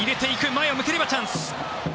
前を向ければチャンス。